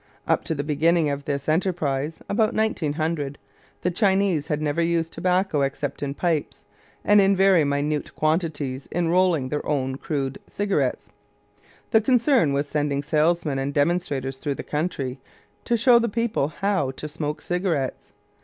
Up to the beginning of this enterprise (about 1900), the Chinese had never used tobacco except in pipes, and in very minute quantities in rolling their own crude cigarettes. The concern was sending salesmen and demonstrators throughout the country to show the people how to smoke cigarettes.